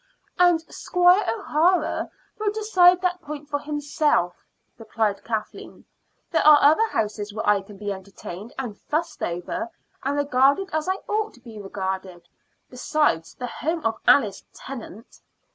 "And Squire O'Hara will decide that point for himself," replied Kathleen. "There are other houses where I can be entertained and fussed over, and regarded as I ought to be regarded, besides the home of Alice Tennant.